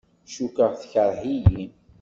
Cukkeɣ tekreh-iyi.